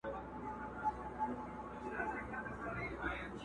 د ترافيکو موټر٬ يو روسی جيپ ئې مخ ته و.